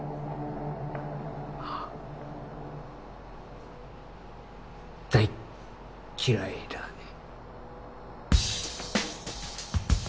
ああ大っ嫌いだね。